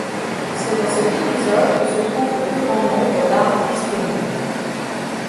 C'est dans cet épisode que se trouve le plus grand nombre d'armes disponibles.